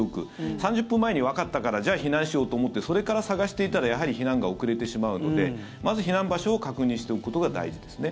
３０分前にわかったからじゃあ、避難しようと思ってそれから探していたらやはり避難が遅れてしまうのでまず避難場所を確認しておくことが大事ですね。